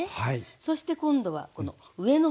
そして今度はこの上のほう。